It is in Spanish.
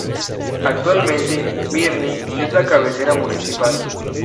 Actualmente Mirni es la cabecera municipal.